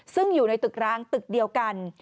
ซึ่งอยู่ในตึกร้างตึกเดียวกัน